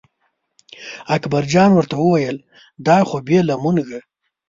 اکبرجان ورته وویل دا خو بې له مونږه.